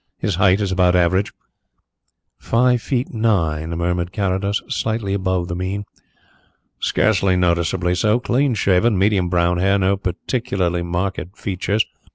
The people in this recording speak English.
His height is about average " "Five feet nine," murmured Carrados. "Slightly above the mean." "Scarcely noticeably so. Clean shaven. Medium brown hair. No particularly marked features.